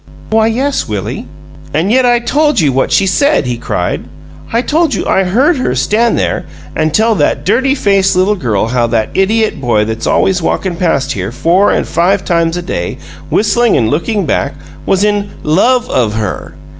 "Why, yes, Willie." "And yet I told you what she said!" he cried. "I told you I HEARD her stand there and tell that dirty faced little girl how that idiot boy that's always walkin' past here four or five times a day, whistling and looking back, was in 'love of' her!